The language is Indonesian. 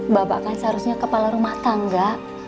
bapak kan seharusnya kepala rumah tangga